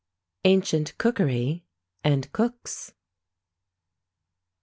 ANCIENT COOKERY, AND COOKS.